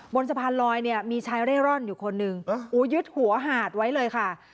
บนสะพานลอยเนี่ยมีชายเร่ร่อนอยู่คนหนึ่งยึดหัวหาดไว้เลยค่ะ